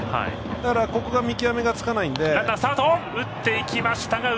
だからここの見極めがつかないので。